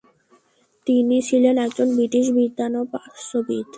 তিনি ছিলেন একজন বৃটিশ বিদ্বান ও প্রাচ্যবিদ।